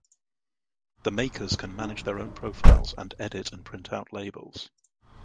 The Makers can manage their own profiles and edit and print out labels.